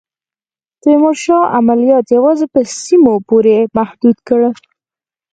تیمورشاه عملیات یوازي په سیمو پوري محدود کړل.